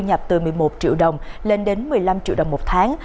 thu nhập từ một mươi một triệu đồng lên đến một mươi năm triệu đồng một tháng